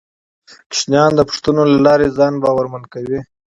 ماشومان د پوښتنو له لارې ځان باورمن کوي